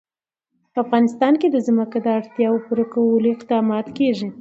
په افغانستان کې د ځمکه د اړتیاوو پوره کولو اقدامات کېږي.